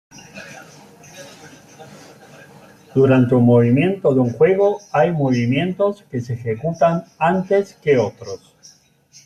Durante un movimiento de un juego hay movimientos que se ejecutan antes que otros.